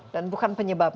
dan bukan penyebabnya